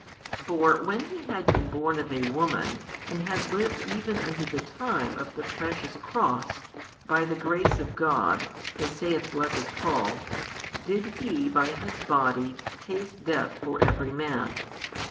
for when He had been born of a woman and had |223 lived even unto the time of the Precious Cross, by the grace of God (as saith blessed Paul) did He by His Body taste death for every man.